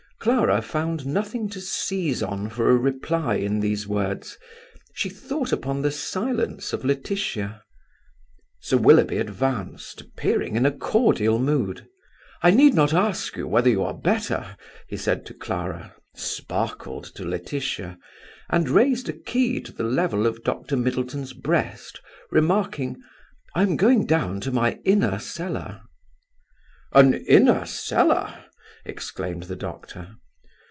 Clara found nothing to seize on for a reply in these words. She thought upon the silence of Laetitia. Sir Willoughby advanced, appearing in a cordial mood. "I need not ask you whether you are better," he said to Clara, sparkled to Laetitia, and raised a key to the level of Dr. Middleton's breast, remarking, "I am going down to my inner cellar." "An inner cellar!" exclaimed the doctor.